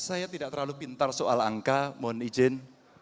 saya tidak terlalu pintar soal angka mohon izin